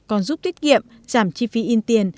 còn giúp tiết kiệm giảm chi phí in tiền